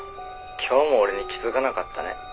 今日も俺に気づかなかったね」